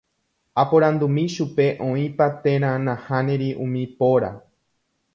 Aporandumi chupe oĩpa térã nahániri umi póra.